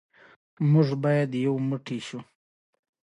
د هایډپارک لاریونونو یو ځل بیا اصلاحاتو ته لار هواره کړه.